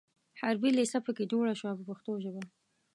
حربي لېسه په کې جوړه شوه په پښتو ژبه.